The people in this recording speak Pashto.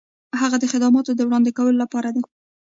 هغه د خدماتو د وړاندې کولو لپاره دی.